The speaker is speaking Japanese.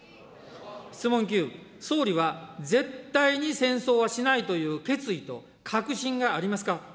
質問９、総理は絶対に戦争はしないという決意と確信がありますか。